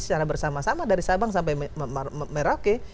secara bersama sama dari sabang sampai merauke